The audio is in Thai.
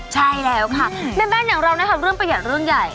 ใช่แล้วค่ะแม่บ้านอย่างเรานะคะเรื่องประหยัดเรื่องใหญ่